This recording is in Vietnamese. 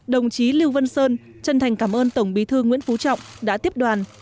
đồng chí lưu văn sơn chân thành cảm ơn tổng bí thư nguyễn phú trọng đã tiếp đoàn